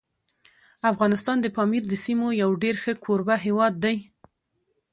افغانستان د پامیر د سیمو یو ډېر ښه کوربه هیواد دی.